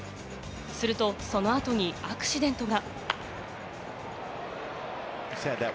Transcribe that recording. すると、その後にアクシデントが。